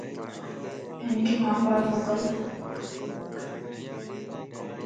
ھنک مان پار موڪل